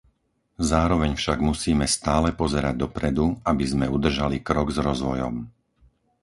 Zároveň však musíme stále pozerať dopredu, aby sme udržali krok s rozvojom.